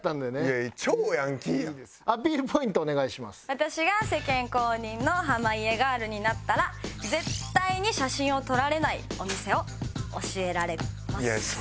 私が世間公認の濱家ガールになったら絶対に写真を撮られないお店を教えられます。